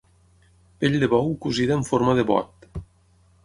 Pell de bou cosida en forma de bot.